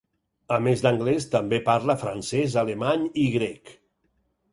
A més d'anglès, també parla francès, alemany i grec.